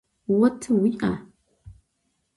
Vo tı vui'a?